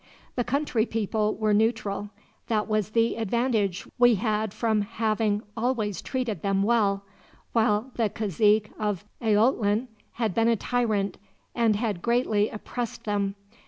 "The country people were neutral. That was the advantage we had from having always treated them well, while the cazique of Ayotlan had been a tyrant, and had greatly oppressed them.